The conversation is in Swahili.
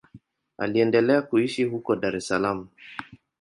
Anaendelea kuishi huko Dar es Salaam.